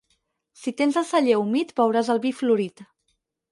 Si tens el celler humit beuràs el vi florit.